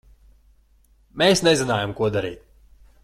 Mēs nezinājām, ko darīt.